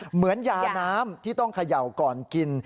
เหมือนยาน้ำที่ต้องเขย่าก่อนกิน